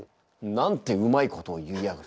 なんてうまいことを言いやがる。